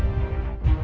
nggak jadi masalah